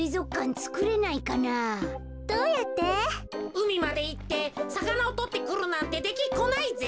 うみまでいってさかなをとってくるなんてできっこないぜ。